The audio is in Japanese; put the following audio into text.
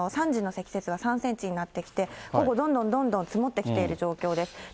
３時の積雪は３センチになってきて、どんどんどんどん積もってきている状況です。